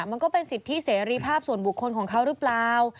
มันก็เป็นสิทธิเสรีภาพส่วนบุคคลของเขาหรือเปล่า